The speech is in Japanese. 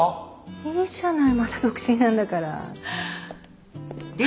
いいじゃないまだ独身なんだから。